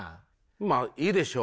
まあいいでしょう。